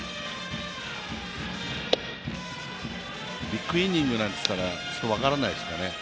ビッグイニングなんて言ったら分からないですかね？